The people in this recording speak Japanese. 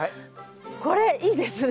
これいいですね。